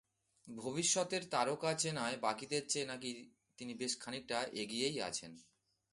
ভবিষ্যতের তারকা চেনায় বাকিদের চেয়ে নাকি তিনি বেশ খানিকটা এগিয়েই আছেন।